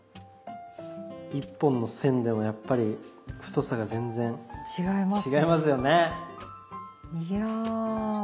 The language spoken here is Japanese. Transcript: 一本の線でもやっぱり太さが全然違いますよね。